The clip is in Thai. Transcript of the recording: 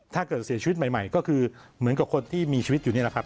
ถ้าเกิดเสียชีวิตใหม่ก็คือเหมือนกับคนที่มีชีวิตอยู่นี่แหละครับ